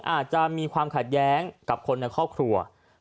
๒อาจจะมีความขาดแย้งคนคนในครัวครัว